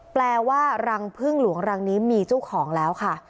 แปลว่ารังพึ่งหลวงรังนี้มีเจ้าของแล้วค่ะ